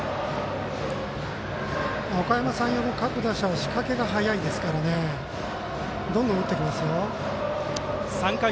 おかやま山陽の各打者は仕掛けが早いですからどんどん打ってきます。